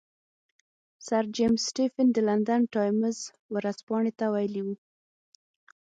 سر جیمز سټیفن د لندن ټایمز ورځپاڼې ته ویلي وو.